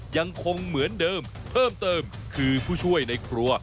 ยังคงเหมือนเดิมเพิ่มเติมคือผู้ช่วยในครัว